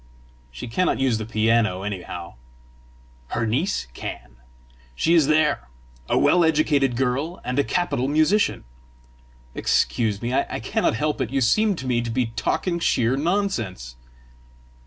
"She cannot use the piano, anyhow!" "Her niece can: she is there a well educated girl and a capital musician." "Excuse me; I cannot help it: you seem to me to be talking sheer nonsense!"